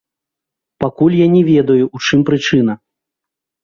Пакуль я не ведаю ў чым прычына.